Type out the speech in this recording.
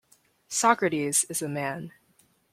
Socrates is a man.